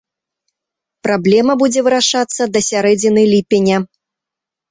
Праблема будзе вырашацца да сярэдзіны ліпеня.